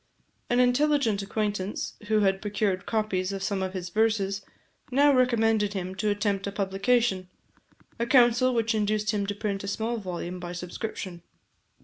An intelligent acquaintance, who had procured copies of some of his verses, now recommended him to attempt a publication a counsel which induced him to print a small volume by subscription.